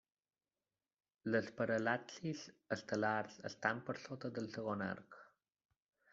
Les paral·laxis estel·lars estan per sota del segon d'arc.